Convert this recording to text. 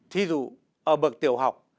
thí dụ ở bậc tiểu học